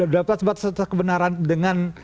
dapat sebatas kebenaran dengan